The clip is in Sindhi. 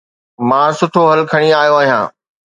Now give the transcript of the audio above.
مان سٺو حل کڻي آيو آهيان